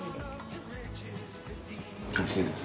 おいしいです。